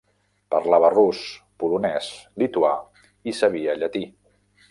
Parlava rus, polonès, lituà i sabia llatí.